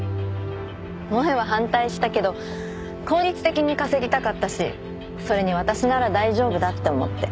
萌絵は反対したけど効率的に稼ぎたかったしそれに私なら大丈夫だって思って。